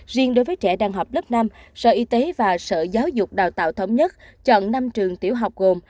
riêng đối với trẻ đang học lớp năm sở y tế và sở giáo dục đào tạo thống nhất chọn năm trường tiểu học gồm